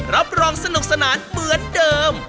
รับรองสนุกสนานเหมือนเดิม